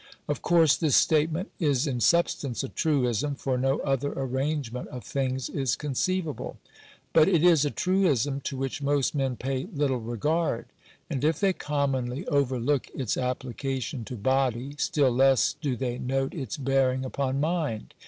Of course this statement is in substance a truism ; for no other arrangement of thing? is con ceivable. But it is a truism to which most men pay little re gard. And if they commonly overlook its application to body, still less do they note its bearing upon mind.